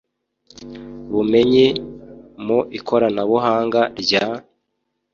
Bumenyi mu ikoranabuhanga rya